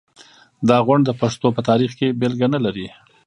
دا غونډ د پښتو په تاریخ کې بېلګه نلري.